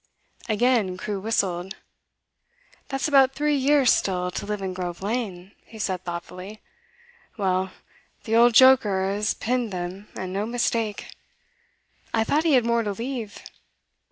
Again Crewe whistled. 'That's about three years still to live in Grove Lane,' he said thoughtfully. 'Well, the old joker has pinned them, and no mistake. I thought he had more to leave.